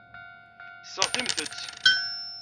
Seɣtimt-tt.